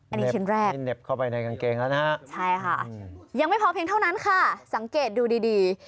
อันนี้ชิ้นแรกใช่ค่ะยังไม่พอเพียงเท่านั้นค่ะสังเกตดูดี